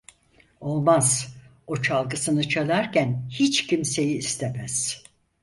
Olmaz, o çalgısını çalarken hiç kimseyi istemez…